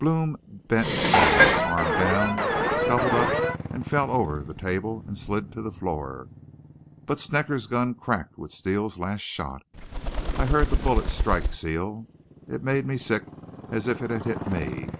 "Blome bent forward, arm down, doubled up, and fell over the table and slid to the floor. "But Snecker's gun cracked with Steele's last shot. I heard the bullet strike Steele. It made me sick as if it had hit me.